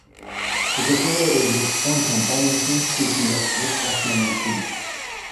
Coca Cola Uzbekistan kompaniyasini xususiylashtirish rasman yakunlandi